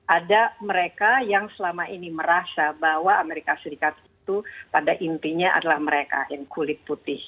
ada mereka yang selama ini merasa bahwa amerika serikat itu pada intinya adalah mereka yang kulit putih